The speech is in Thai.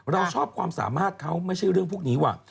เราชอบความสามารถเขาไม่ใช่เรื่องพวกนี้ว่ะ